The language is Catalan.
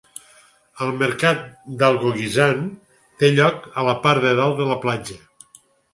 El mercat d'Algoguisan té lloc a la part de dalt de la platja.